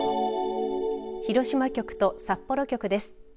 広島局と札幌局です。